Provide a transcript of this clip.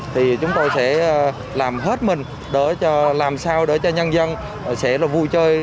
thì chúng tôi sẽ làm hết mình làm sao để cho nhân dân sẽ vui chơi